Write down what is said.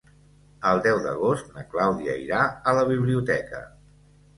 El deu d'agost na Clàudia irà a la biblioteca.